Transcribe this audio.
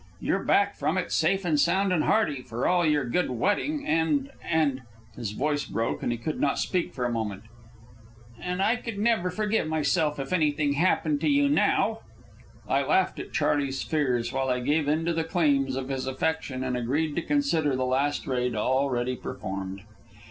You're back from it safe and sound and hearty, for all your good wetting, and and " His voice broke and he could not speak for a moment. "And I could never forgive myself if anything happened to you now." I laughed at Charley's fears while I gave in to the claims of his affection, and agreed to consider the last raid already performed.